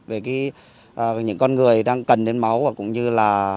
về những con người đang cần đến máu và cũng như là